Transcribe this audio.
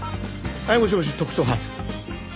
はいもしもし特捜班。